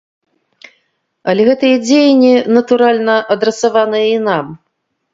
Але гэтыя дзеянні, натуральна, адрасаваныя і нам.